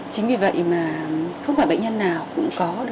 chính vì vậy mà không phải bệnh nhân nào cũng có được